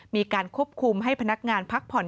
มีการควบคุมให้พนักงานพักผ่อน